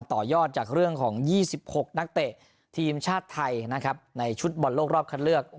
ต่อยอดจากเรื่องของ๒๖นักเตะทีมชาติไทยนะครับในชุดบอลโลกรอบคัดเลือก